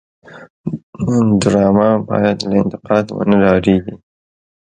ډرامه باید له انتقاد ونه وډاريږي